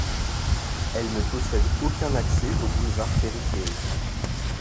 Elle ne possède aucun accès au boulevard périphérique.